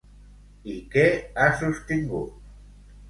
I què ha sostingut?